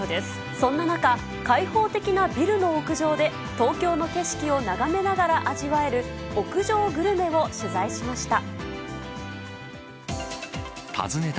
そんな中、開放的なビルの屋上で、東京の景色を眺めながら味わえる、屋上グルメを取材しました。